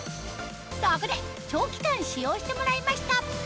そこで長期間使用してもらいました